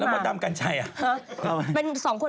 พี่หนิงมาบ่อยนะคะชอบเห็นมั้ยดูมีสาระหน่อย